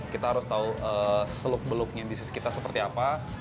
kita harus tahu seluk beluknya bisnis kita seperti apa